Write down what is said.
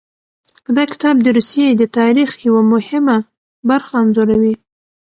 دا کتاب د روسیې د تاریخ یوه مهمه برخه انځوروي.